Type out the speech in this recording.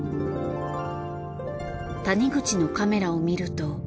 谷口のカメラを見ると。